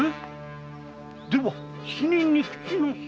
では死人に口なし。